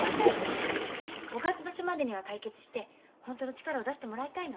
五月場所までには解決してホントの力を出してもらいたいの。